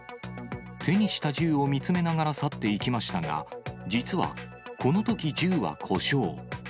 手にした銃を見つめながら去っていきましたが、実は、このとき、銃は故障。